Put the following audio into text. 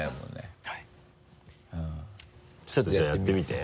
ちょっとじゃあやってみて。